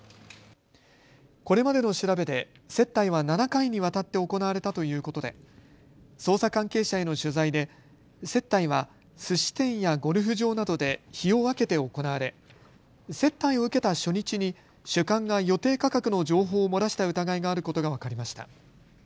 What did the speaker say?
これまでの調べで接待は７回にわたって行われたということで捜査関係者への取材で接待はすし店やゴルフ場などで日を分けて行われ接待を受けた初日に主幹が予定価格の情報を漏らした疑いがあることが分かりました。